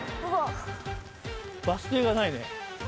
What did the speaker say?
バス停がないね。